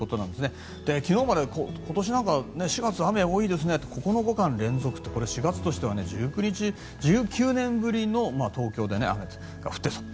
昨日まで、今年なんかは４月、雨が多いですねって９日連続って４月としては１９年ぶりの東京で雨が降ると。